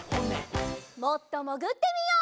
もっともぐってみよう。